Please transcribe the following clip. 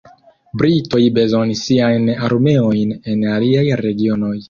Britoj bezonis siajn armeojn en aliaj regionoj.